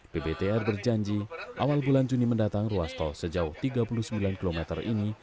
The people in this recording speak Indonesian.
pbtr berjanji awal bulan juni mendatang ruas tol sejauh tiga puluh sembilan km ini